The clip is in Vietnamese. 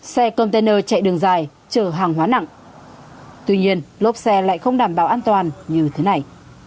xe container chạy đường dài chở hàng hóa nặng tuy nhiên lốp xe lại không đảm bảo an toàn như thế này